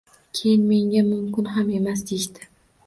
Keyin, menga mumkin ham emas, deyishdi